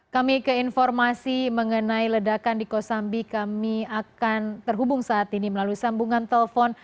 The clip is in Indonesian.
kami ke informasi mengenai ledakan di kosambi kami akan terhubung saat ini melalui sambungan telepon